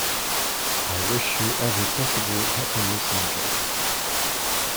I wish you every possible happiness and joy.